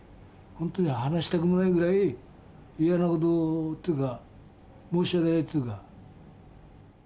ほんとに話したくもないぐらい嫌なことっていうか申し訳ないっていうか。